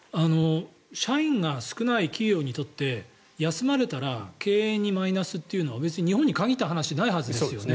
社員が少ない企業にとって休まれたら経営にマイナスというのは別に日本に限った話じゃないですよね。